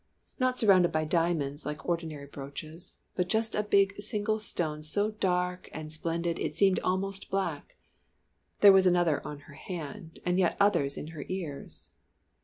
Not surrounded by diamonds like ordinary brooches, but just a big single stone so dark and splendid it seemed almost black. There was another on her hand, and yet others in her ears.